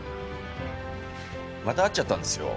また会っちゃったんですよ